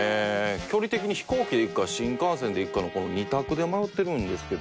距離的に飛行機で行くか新幹線で行くかのこの２択で迷ってるんですけど。